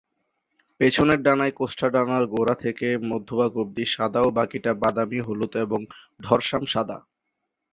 পিছনের ডানায় কোস্টা ডানার গোড়া থেকে মধ্যভাগ অবধি সাদা ও বাকিটা বাদামি-হলুদ এবং ডরসাম সাদা।